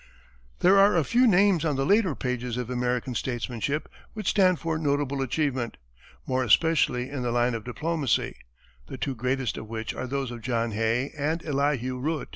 There are a few names on the later pages of American statesmanship which stand for notable achievement, more especially in the line of diplomacy, the two greatest of which are those of John Hay and Elihu Root.